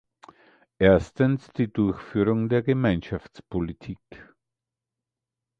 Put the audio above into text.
Erstens die Durchführung der Gemeinschaftspolitik.